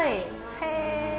へえ。